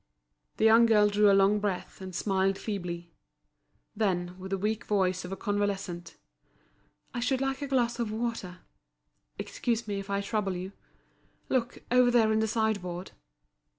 The young girl drew a long breath, and smiled feebly. Then with the weak voice of a convalescent: "I should like a glass of water. Excuse me if I trouble you. Look, over there in the sideboard."